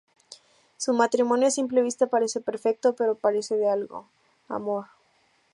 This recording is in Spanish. Su matrimonio a simple vista parece perfecto, pero carece de algo: amor.